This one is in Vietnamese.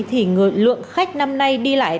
thì lượng khách năm nay đi lại